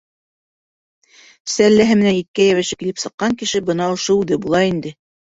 Сәлләһе менән иткә йәбешеп килеп сыҡҡан кеше бына ошо үҙе була инде.